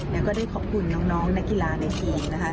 แล้วก็ได้ขอบคุณน้องนักกีฬาในเกมนะคะ